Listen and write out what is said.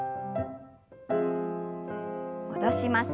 戻します。